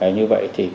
như vậy thì